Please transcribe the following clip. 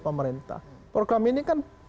pemerintah program ini kan